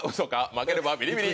負ければビリビリ！